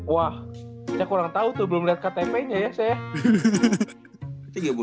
wah saya kurang tahu tuh belum lihat ktp nya ya saya